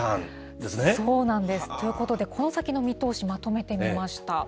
ということで、この先の見通し、まとめてみました。